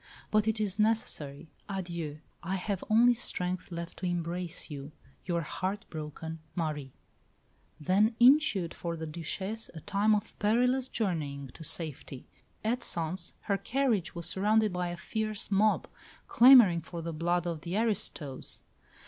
But it is necessary. Adieu! I have only strength left to embrace you. Your heart broken Marie." Then ensued for the Duchesse a time of perilous journeying to safety. At Sens her carriage was surrounded by a fierce mob, clamouring for the blood of the "aristos."